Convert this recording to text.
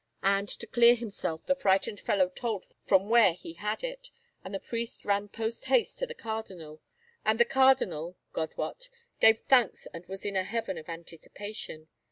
And to clear himself the frightened fellow told from where he had it, and the priest ran post haste to the cardinal, and the cardinal, God wot, gave thanks and was in a heaven of anticipation.